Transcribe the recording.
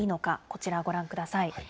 こちらご覧ください。